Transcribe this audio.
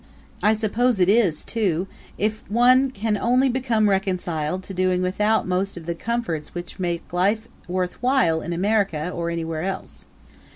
I suppose it is, too, if one can only become reconciled to doing without most of the comforts which make life worth while in America or anywhere else.